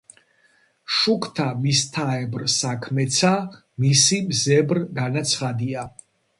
შუქთა მისთაებრ საქმეცა მისი მზებრ განაცხადია.